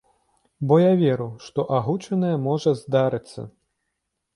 Бо я веру, што агучанае можа здарыцца.